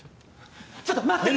ちょっと待って！